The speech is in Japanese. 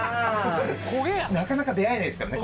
なかなか出会えないですからね